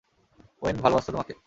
When ভালোবাসত তোমাকে।